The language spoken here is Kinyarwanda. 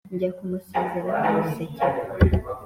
njya kumusezeraho musekera,